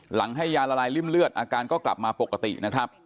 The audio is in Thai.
ให้ยาละลายริ่มเลือดอาการก็กลับมาปกตินะครับ